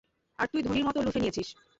আর তুই ধনীর মতো তা লুফে নিয়েছিস।